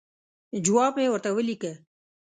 جواب مې ورته ولیکه.